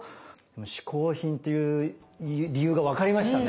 嗜好品っていう理由がわかりましたね。